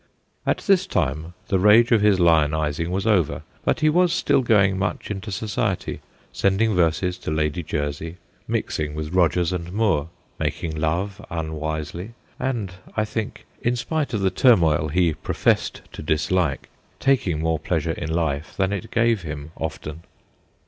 At this time the rage of his lionising was over, but he was still going much into society, sending verses to Lady Jersey, mixing with Rogers and Moore ; making love unwisely, and I think, in spite of the turmoil he professed to dislike, taking more pleasure in life than it gave him often.